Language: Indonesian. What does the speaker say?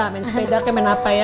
main sepeda kayak main apa ya